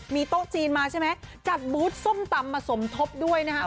มีโต๊ะจีนมาใช่ไหมจัดบูธส้มตำมาสมทบด้วยนะครับ